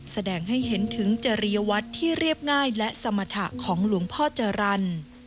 แสดงให้เห็นถึงจริยวัตรที่เรียบง่ายและสมรรถะของหลวงพ่อจรรย์